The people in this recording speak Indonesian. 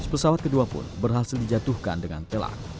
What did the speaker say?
pesawat kedua pun berhasil dijatuhkan dengan telak